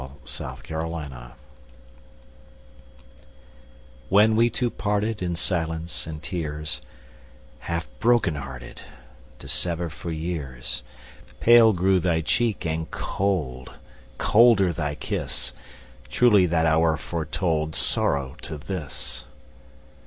When We Two Parted WHEN we two partedIn silence and tears, Half broken hearted, To sever for years, Pale grew thy cheek and cold, Colder thy kiss; Truly that hour foretoldSorrow to this!